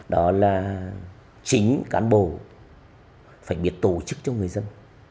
đó là chính cán bộ phải biệt tổ chức cho người dân